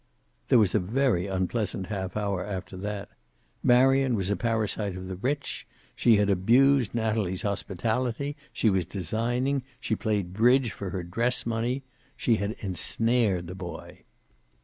There was a very unpleasant half hour after that. Marion was a parasite of the rich. She had abused Natalie's hospitality. She was designing. She played bridge for her dress money. She had ensnared the boy.